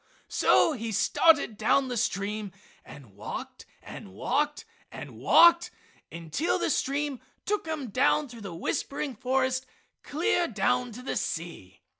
So he started down the stream and walked and walked and walked until the stream took him down through the whispering forest clear down to the sea.